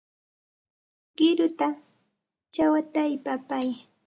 Qiruta shawataypa apay.